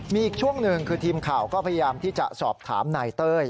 มีอีกช่วงหนึ่งคือทีมข่าวก็พยายามที่จะสอบถามนายเต้ย